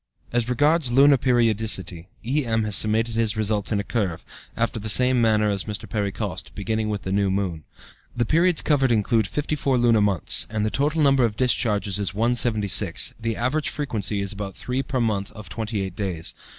As regards lunar periodicity, E.M., has summated his results in a curve, after the same manner as Mr. Perry Coste, beginning with the new moon. The periods covered include 54 lunar months, and the total number of discharges is 176; the average frequency is about 3 per month of twenty eight days.